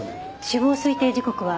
死亡推定時刻は？